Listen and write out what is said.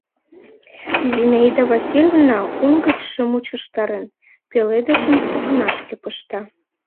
Зинаида Васильевна, оҥ гычше мучыштарен, пеледышым, окнашке пышта.